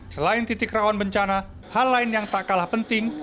selain titik rawan bencana hal lain yang tak kalah penting